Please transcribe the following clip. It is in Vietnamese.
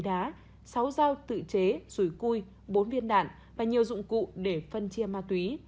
sáu dao tự chế sủi cui bốn viên đạn và nhiều dụng cụ để phân chia ma túy